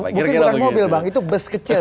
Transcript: mungkin bukan mobil bang itu bus kecil